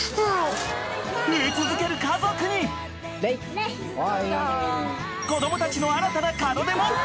増え続ける家族に子供たちの新たな門出も。